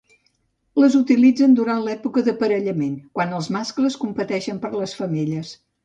Les utilitzen durant l'època d'aparellament, quan els mascles competeixen per les femelles.